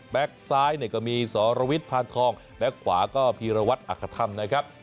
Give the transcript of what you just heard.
แบ็คซ้ายก็มีสรวิทย์พานทองแบ็คขวาก็พีรวัตน์อัคธรรมนะครับ